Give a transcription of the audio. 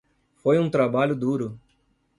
Foi um trabalho duro.